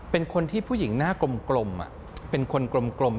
เป็นคนที่ผู้หญิงหน้ากลมเป็นคนกลม